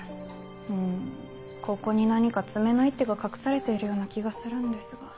うんここに何か詰めの一手が隠されているような気がするんですが。